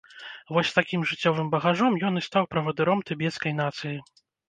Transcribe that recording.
Вось з такім жыццёвым багажом ён і стаў правадыром тыбецкай нацыі.